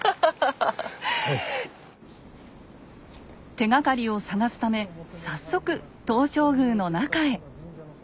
手がかりを探すため早速東照宮の中へ。